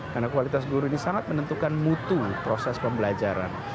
karena kualitas guru ini sangat menentukan mutu proses pembelajaran